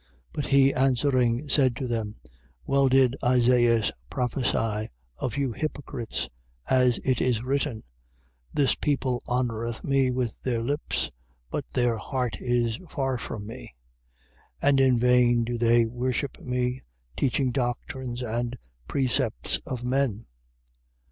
7:6. But he answering, said to them: Well did Isaias prophesy of you hypocrites, as it is written: This people honoureth me with their lips, but their heart is far from me. 7:7. And in vain do they worship me, teaching doctrines and precepts of men.